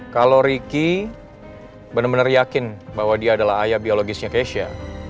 kalau ricky benar benar yakin bahwa dia adalah ayah biologisnya keisha